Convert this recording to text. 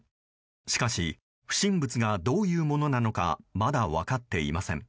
しかし、不審物がどういうものなのかまだ分かっていません。